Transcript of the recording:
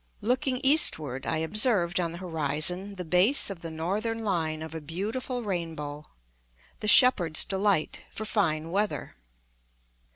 Looking eastward, I observed on the horizon the base of the northern line of a beautiful rainbow "the shepherd's delight" for fine weather.